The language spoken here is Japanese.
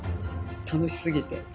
楽しすぎて。